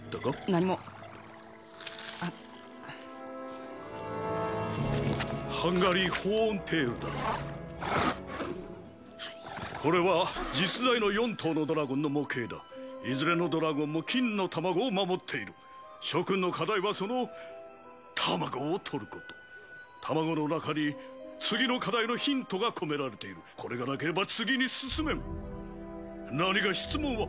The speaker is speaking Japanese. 何もあっハンガリー・ホーンテイルだこれは実在の４頭のドラゴンの模型だいずれのドラゴンも金の卵を守っている諸君の課題はその卵を取ること卵の中に次の課題のヒントが込められているこれがなければ次に進めん何か質問は？